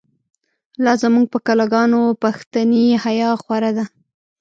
لا زمونږ په کلا گانو، پښتنی حیا خوره ده